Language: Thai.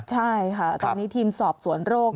ใช่ค่ะตอนนี้ทีมสอบสวนโรค